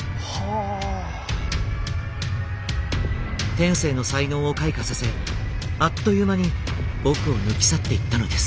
天性の才能を開花させあっという間に僕を抜き去っていったのです。